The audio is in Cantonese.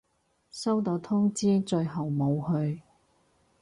收到通知，最後冇去